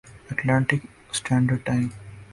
Atlantic standard time